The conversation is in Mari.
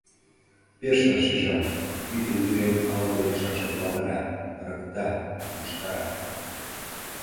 Пеш раш шижам: пӱтынь вӱрем ала-мо лийшашым палдара, ырыкта, йӱштара...